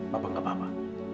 bapak tidak apa apa